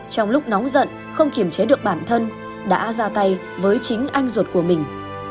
trong lúc nóng giận không kiểm chế được bản thân đã ra tay với chính anh ruột của mình